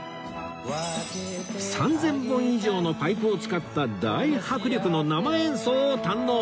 ３０００本以上のパイプを使った大迫力の生演奏を堪能！